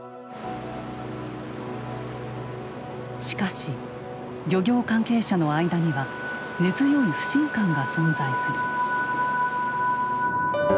しかし漁業関係者の間には根強い不信感が存在する。